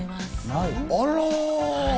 あら。